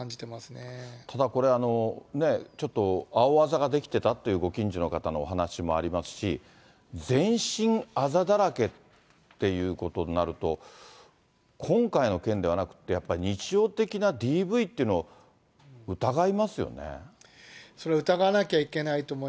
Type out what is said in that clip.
ただこれ、ちょっと青あざが出来てたっていうご近所の方のお話もありますし、全身あざだらけっていうことになると、今回の件ではなくて、やっぱり日常的なＤＶっていうのを疑いますよね。